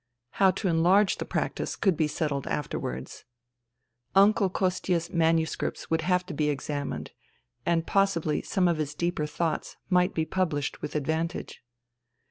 How to enlarge the practice could be settled after wards. Uncle Kostia's manuscripts would have to be examined, and possibly some of his deeper thoughts might be published with advantage.